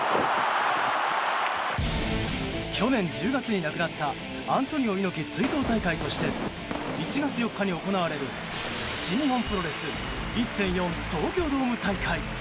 去年１０月に亡くなったアントニオ猪木追悼大会として１月４日に行われる新日本プロレス１．４東京ドーム大会。